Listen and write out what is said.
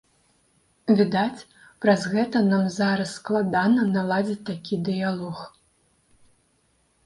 Відаць, праз гэта нам зараз складана наладзіць такі дыялог.